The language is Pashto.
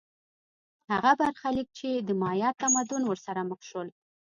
هغه برخلیک چې د مایا تمدن ورسره مخ شول